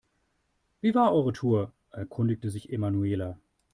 Wie war eure Tour?, erkundigte sich Emanuela.